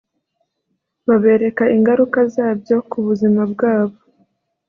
babereka ingaruka zabyo ku buzima bwabo